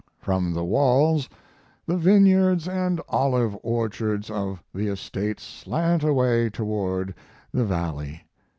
From the walls the vineyards & olive orchards of the estate slant away toward the valley.